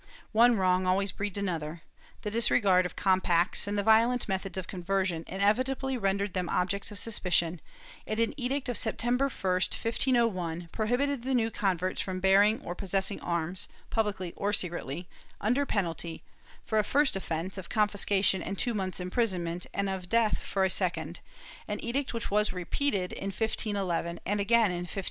One wrong always breeds another. The disregard of compacts and the violent methods of conversion inevitably rendered them objects of suspicion, and an edict of September 1, 1501 prohibited the new converts from bearing or possessing arms, publicly or secretly, under penalty, for a first offence, of confiscation and two months' imprisonment and of death for a second — an edict which was repeated in 1511 and again in 1515.